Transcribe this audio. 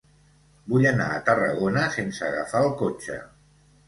Vull anar a Tarragona sense agafar el cotxe.